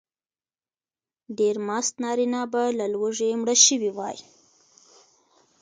ډېر مست نارینه به له لوږې مړه شوي وای.